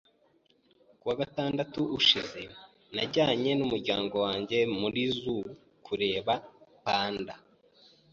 Ku wa gatandatu ushize, najyanye n'umuryango wanjye muri zoo kureba panda.